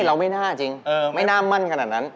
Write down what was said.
เราไม่น่าจริงไม่น่ามั่นขนาดนั้น